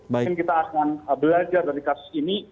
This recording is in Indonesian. mungkin kita akan belajar dari kasus ini